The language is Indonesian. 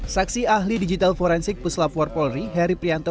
saksi ahli digital forensik pusla forpori heri prianto